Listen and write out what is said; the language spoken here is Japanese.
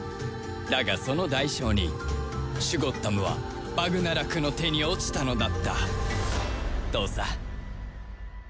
だがその代償にシュゴッダムはバグナラクの手に落ちたのだったとさ